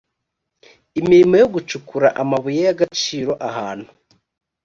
imirimo yo gucukura amabuye y’agaciro ahantu